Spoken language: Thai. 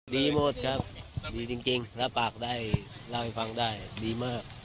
ดีหมดครับดีจริงรับปากได้เล่าให้ฟังได้ดีมาก